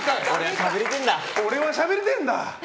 俺は、しゃべりてえんだ。